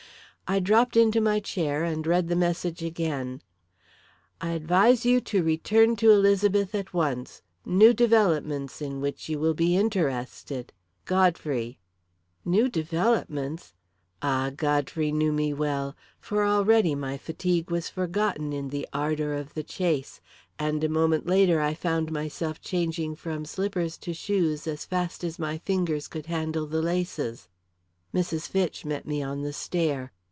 I dropped into my chair and read the message again: "I advise you to return to Elizabeth at once. New developments in which you will be interested. "GODFREY." "New developments!" Ah, Godfrey knew me well! For already my fatigue was forgotten in the ardour of the chase, and a moment later I found myself changing from slippers to shoes as fast as my fingers could handle the laces. Mrs. Fitch met me on the stair.